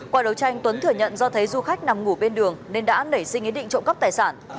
qua đấu tranh tuấn thừa nhận do thấy du khách nằm ngủ bên đường nên đã nảy sinh ý định trộm cắp tài sản